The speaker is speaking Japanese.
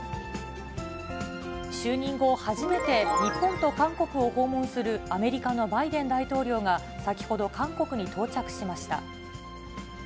就任後初めて、日本と韓国を訪問するアメリカのバイデン大統領が、先ほど韓国に到着しました。